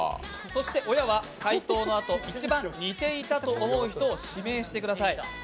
親は回答の後、一番似ていたと思う人を指名してください。